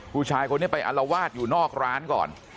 ผู้ชายคนนี้ไปอัลวาดอยู่นอกร้านก่อน